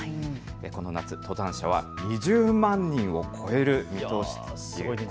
この夏、登山者は２０万人を超える見通しです。